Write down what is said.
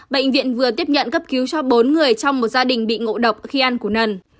bệnh viện vừa tiếp nhận cấp cứu cho bốn người trong một gia đình bị ngộ độc khi ăn của nần